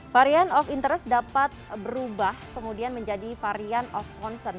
varian of interest dapat berubah kemudian menjadi varian of concern